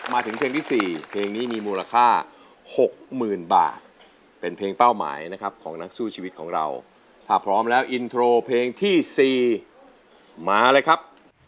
มาถึงเพลงที่๔เพลงนี้มีมูลค่า๖๐๐๐บาทเป็นเพลงเป้าหมายนะครับของนักสู้ชีวิตของเราถ้าพร้อมแล้วอินโทรเพลงที่๔มาเลยครับ